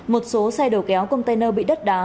một số xe đầu kéo container bị đất đá